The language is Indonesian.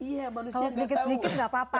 kalau sedikit sedikit nggak apa apa